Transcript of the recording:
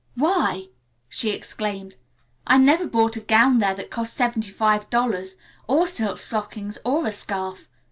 "Why!" she exclaimed. "I never bought a gown there that cost seventy five dollars, or silk stockings or a scarf.